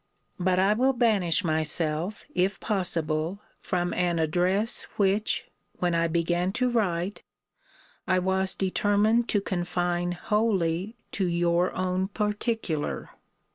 But I will banish myself, if possible, from an address which, when I began to write, I was determined to confine wholly to your own particular.